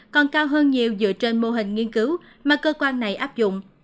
còn cao hơn nhiều dựa trên mô hình nghiên cứu mà cơ quan này áp dụng